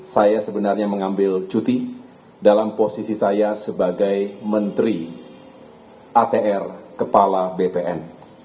saya sebenarnya mengambil cuti dalam posisi saya sebagai menteri atr kepala bpn